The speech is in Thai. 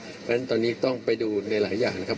เพราะฉะนั้นตอนนี้ต้องไปดูในหลายอย่างนะครับ